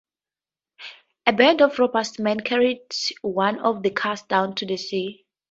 A band of robust men carried one of the cars down to the sea.